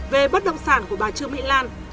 về bất động sản của bà trương mỹ lan